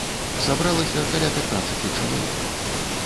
Сабралася каля пятнаццаці чалавек.